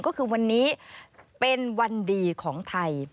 ก็คือวันนี้เป็นวันดีของไทย